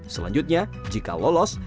selanjutnya jika lolos